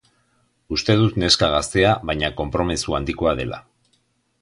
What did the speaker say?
Uste dut neska gaztea baina konpromezu handikoa dela.